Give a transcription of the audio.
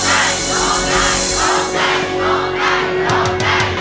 เอาล่ะครับ